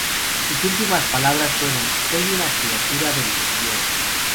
Sus últimas palabras fueron: "Soy una criatura del desierto".